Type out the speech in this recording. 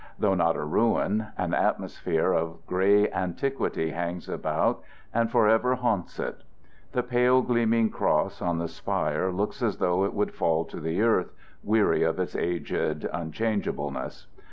Though not a ruin, an atmosphere of gray antiquity hangs about and forever haunts it. The pale gleaming cross on the spire looks as though it would fall to the earth, weary of its aged unchangeableness.